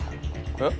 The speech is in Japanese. えっ？